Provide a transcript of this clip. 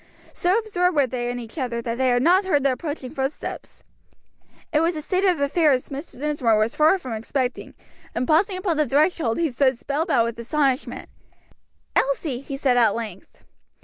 So absorbed were they in each other that they had not heard the approaching footsteps. It was a state of affairs Mr. Dinsmore was far from expecting, and pausing upon the threshold, he stood spell bound with astonishment. "Elsie!" he said at length.